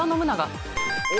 お！